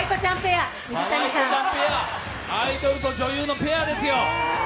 アイドルと女優のペアですよ。